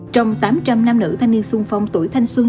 trong tám trăm linh nam nữ thanh niên sung phong tuổi thanh xuân